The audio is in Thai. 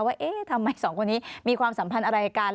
ว่าเอ๊ะทำไมสองคนนี้มีความสัมพันธ์อะไรกัน